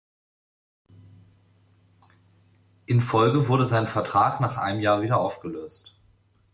In Folge wurde sein Vertrag nach einem Jahr wieder aufgelöst.